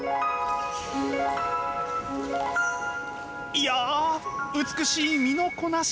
いや美しい身のこなし！